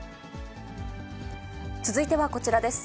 続いてはこちらです。